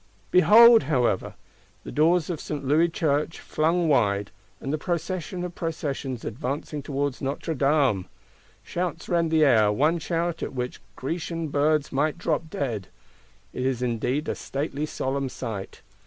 Behold, however! The doors of St. Louis Church flung wide; and the Procession of Processions advancing towards Notre Dame! Shouts rend the air; one shout, at which Grecian birds might drop dead. It is indeed a stately, solemn sight.